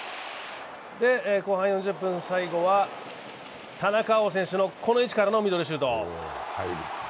後半４０分ｍ、最後は田中碧選手のこの位置からのミドルシュート。